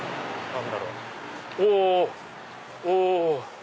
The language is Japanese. おお！